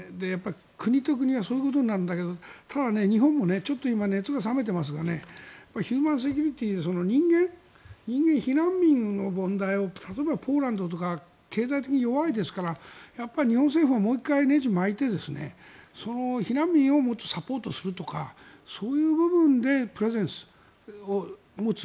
国と国はそういうことになるんだけどただ、日本もちょっと今熱が冷めていますがヒューマンセキュリティー人間、避難民の問題を例えばポーランドとか経済的に弱いですから日本政府はもう１回、ねじを巻いて避難民をもっとサポートするとかそういう部分でプレゼンスを持つ。